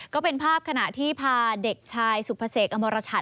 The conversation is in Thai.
ก็เป็นภาพขณะที่พาเด็กชายสุภเสกอมรชัต